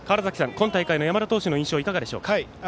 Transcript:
今大会の山田投手の印象いかがでしょうか。